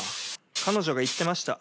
彼女が言ってました。